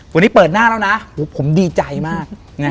วันนี้เปิดหน้าแล้วนะผมดีใจมาก